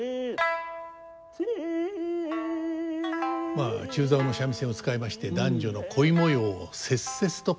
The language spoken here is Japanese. まあ中棹の三味線を使いまして男女の恋模様を切々と語る。